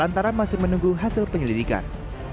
antara masih menunggu hasil penyelidikan